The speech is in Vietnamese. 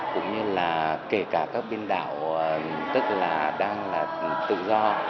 cũng như là kể cả các biên đạo tức là đang là tự do